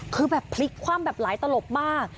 คือแบบพลิกคว่ำแบบหลายตลบมาก